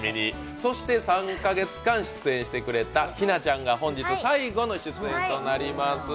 そして３カ月間出演してくれた日奈ちゃんが本日、最後の出演となります。